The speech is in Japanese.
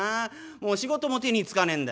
もう仕事も手につかねえんだ」。